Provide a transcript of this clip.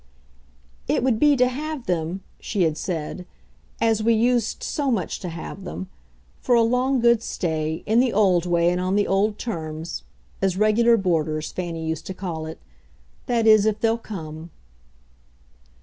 "It would be to have them," she had said, "as we used so much to have them. For a good long stay, in the old way and on the old terms: 'as regular boarders' Fanny used to call it. That is if they'll come."